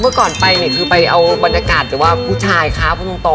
เมื่อก่อนไปนี่คือไปเอาบรรยากาศหรือว่าผู้ชายคะพูดตรง